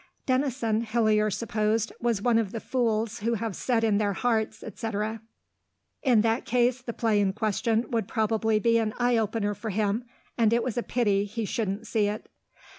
Denison, Hillier supposed, was one of the fools who have said in their hearts, etc. In that case the play in question would probably be an eye opener for him, and it was a pity he shouldn't see it.